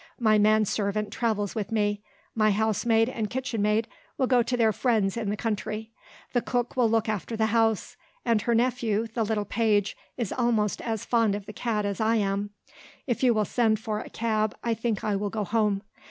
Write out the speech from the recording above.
My manservant travels with me. My housemaid and kitchenmaid will go to their friends in the country; the cook will look after the house; and her nephew, the little page, is almost as fond of the cat as I am. If you will send for a cab, I think I will go home.